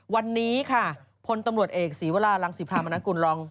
วันนี้ค่ะพลตำรวจเอกศีวรารังศิพรามนกุลรอง